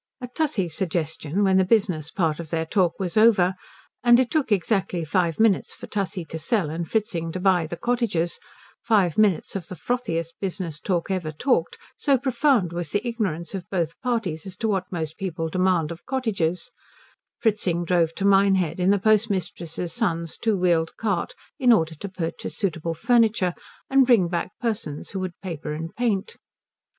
At Tussie's suggestion when the business part of their talk was over and it took exactly five minutes for Tussie to sell and Fritzing to buy the cottages, five minutes of the frothiest business talk ever talked, so profound was the ignorance of both parties as to what most people demand of cottages Fritzing drove to Minehead in the postmistress's son's two wheeled cart in order to purchase suitable furniture and bring back persons who would paper and paint.